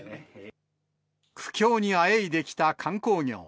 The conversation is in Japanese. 苦境にあえいできた観光業。